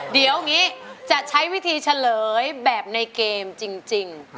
เดี๋ยวอย่างนี้จะใช้วิธีเฉลยแบบในเกมจริง